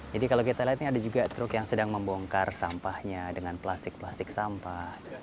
jadi kalau kita lihat ini ada juga truk yang sedang membongkar sampahnya dengan plastik plastik sampah